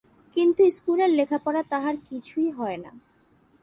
কিন্তু স্কুলের লেখাপড়া তাহার কিছুই হয় না।